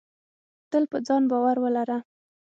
تل په ځان باور ولره.